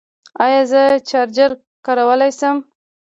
ایا زه چارجر کارولی شم؟